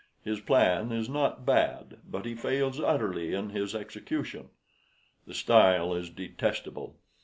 His plan is not bad, but he fails utterly in his execution. The style is detestable.